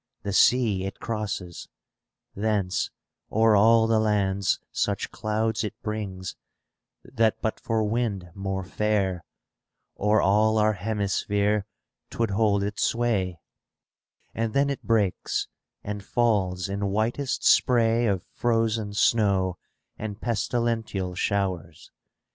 The sea it crosses ; thence, o'er all the lands Such clouds it brings that but for wind more fair, O'er all our hemisphere 'twould hold its sway; And then it breaks, and falls in whitest spray ^ Of frozen snow and pestilential showers.